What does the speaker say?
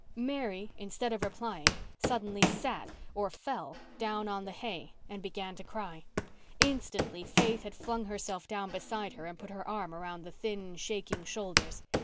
Mary, instead of replying, suddenly sat, or fell, down on the hay and began to cry. Instantly Faith had flung herself down beside her and put her arm around the thin, shaking shoulders.